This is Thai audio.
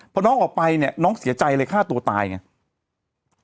พอน้องออกไปเนี่ยน้องเสียใจเลยฆ่าตัวตายไง